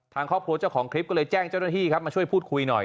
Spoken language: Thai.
ทางครอบครัวเจ้าของคลิปก็เลยแจ้งเจ้าหน้าที่ครับมาช่วยพูดคุยหน่อย